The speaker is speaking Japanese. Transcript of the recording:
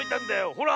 ほら！